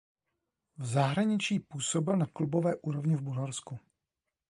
V zahraničí působil na klubové úrovni v Bulharsku.